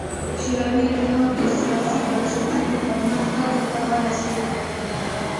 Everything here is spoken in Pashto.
شوروي اتحاد د سیاسي بنسټونو پر مټ ودې ته ورسېد.